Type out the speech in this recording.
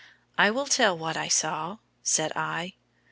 "I will tell what I saw," said I.